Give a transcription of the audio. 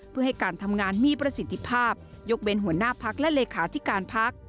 เพื่อให้การทำงานมีประสิทธิภาพยกเว้นหัวหน้าพักและเลขาธิการพัก